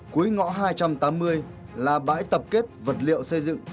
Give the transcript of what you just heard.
cuối ngõ hai trăm tám mươi là bãi tập kết vật liệu xây dựng